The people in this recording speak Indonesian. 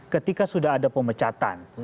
ketika sudah ada pemecatan